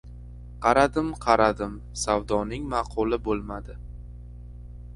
Qaradim-qaradim, savdoning ma’quli bo‘lmadi.